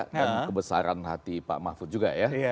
dan kebesaran hati pak mahfud juga ya